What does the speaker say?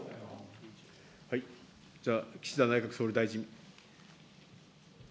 じゃあ、岸田内閣総理大臣。